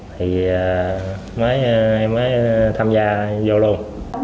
thì em mới tham gia vô luôn